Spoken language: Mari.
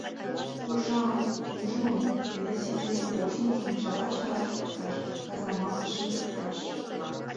Кушан ужмым, Ведаси дене коштмыжым — чыла чараш лукташ, казаматыш шындыкташ.